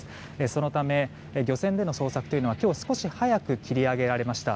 そのため漁船での捜索は今日少し早く切り上げられました。